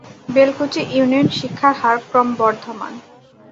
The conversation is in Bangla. বেলকুচি ইউনিয়ন শিক্ষার হার ক্রমবর্ধমান।